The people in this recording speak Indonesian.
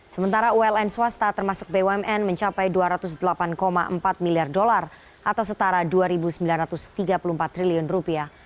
sementara uln swasta termasuk bumn mencapai dua ratus delapan empat miliar dolar atau setara dua sembilan ratus tiga puluh empat triliun rupiah